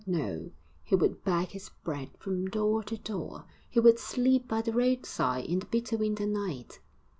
No, he would beg his bread from door to door; he would sleep by the roadside in the bitter winter night.